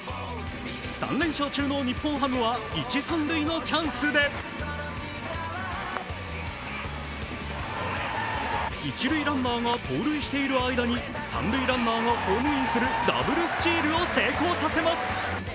３連勝中の日本ハムは一・三塁のチャンスで一塁ランナーが盗塁している間に三塁ランナーがホームインするダブルスチールを成功させます。